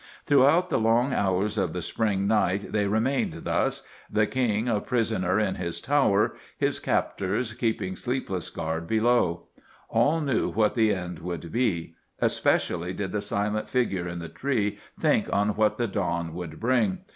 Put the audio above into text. Throughout the long hours of the spring night they remained thus—the King a prisoner in his tower, his captors keeping sleepless guard below. All knew what the end would be. Especially did the silent figure in the tree think on what the dawn would bring.